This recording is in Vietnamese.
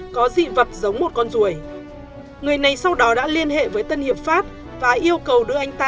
có dị vật giống một con ruồi người này sau đó đã liên hệ với tân hiệp pháp và yêu cầu đưa anh ta